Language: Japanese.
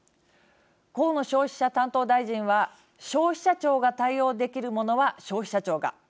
河野消費者担当大臣は消費者庁が対応できるものは消費者庁が。